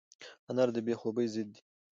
انار د بې خوبۍ ضد دی.